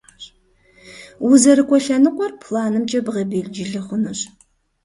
УзэрыкӀуэ лъэныкъуэр планымкӀэ бгъэбелджылы хъунущ.